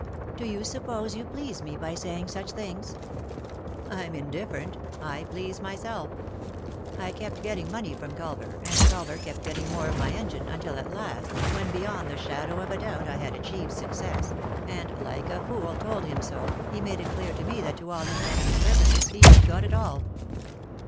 "Do you suppose you please me by saying such things ?" "I'm indifferent— I please myself. I kept getting money from Culver, and Culver kept getting more of F 65 3i 9 iii^d by Google THE INTERRUPTED KISS my engine, until at last, when beyond the shadow of a doubt I had achieved success and, like a fool, told him so, he made it clear to me that to all intents and purposes he had got it all."